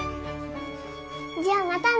じゃあまたね！